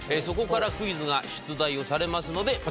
そこからクイズが出題をされますので。